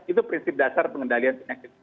itu prinsip dasar pengendalian penyakit